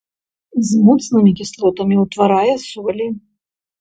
З моцнымі кіслотамі ўтварае солі.